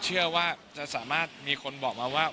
เชื่อว่าจะสามารถมีคนบอกมาว่า